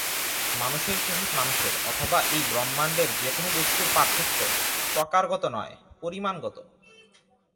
মানুষের সহিত মানুষের অথবা এই ব্রহ্মাণ্ডের যে-কোন বস্তুর পার্থক্য প্রকারগত নয়, পরিমাণগত।